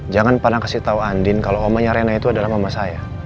jangan pernah kasih tahu andin kalau omanya rena itu adalah mama saya